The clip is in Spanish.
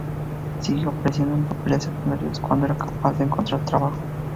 Siguió apareciendo en papeles secundarios, cuando era capaz de encontrar trabajo.